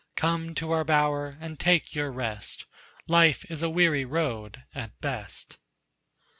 Come to our bower and take your rest Life is a weary road at best."